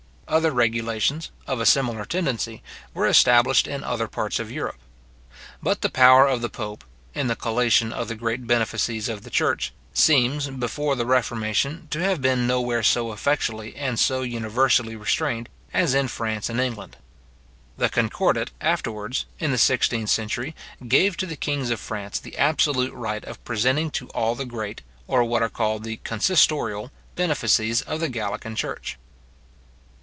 Other regulations, of a similar tendency, were established in other parts of Europe. But the power of the pope, in the collation of the great benefices of the church, seems, before the reformation, to have been nowhere so effectually and so universally restrained as in France and England. The concordat afterwards, in the sixteenth century, gave to the kings of France the absolute right of presenting to all the great, or what are called the consistorial, benefices of the Gallican church.